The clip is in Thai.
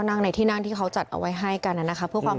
นั่งในที่นั่งที่เขาจัดเอาไว้ให้กันน่ะนะคะเพื่อความ